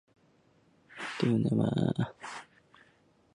双线黄毒蛾为毒蛾科黄毒蛾属下的一个种。